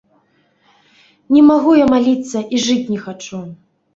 Не магу я маліцца і жыць не хачу.